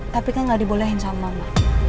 tapi kan nggak dibolehin sama mama